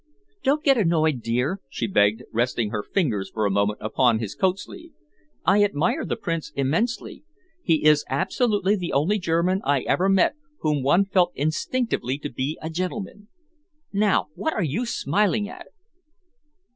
"Don't get annoyed, dear," she begged, resting her fingers for a moment upon his coat sleeve. "I admire the Prince immensely. He is absolutely the only German I ever met whom one felt instinctively to be a gentleman. Now what are you smiling at?"